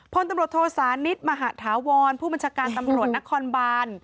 พลตำรวจโทษานิทมหาธาวรผู้บัญชาการตำรวจนครบาน